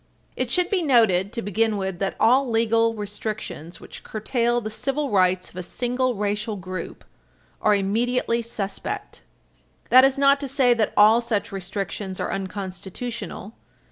It should be noted, to begin with, that all legal restrictions which curtail the civil rights of a single racial group are immediately suspect. That is not to say that all such restrictions are unconstitutional.